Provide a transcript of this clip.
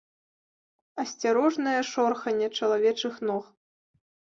Асцярожнае шорханне чалавечых ног.